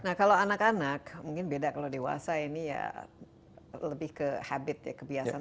nah kalau anak anak mungkin beda kalau dewasa ini ya lebih ke habit ya kebiasaan